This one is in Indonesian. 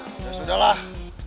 ya sudah lah